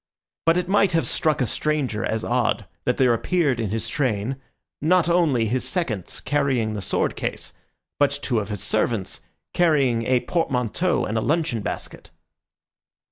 But it might have struck a stranger as odd that there appeared in his train, not only his seconds carrying the sword case, but two of his servants carrying a portmanteau and a luncheon basket.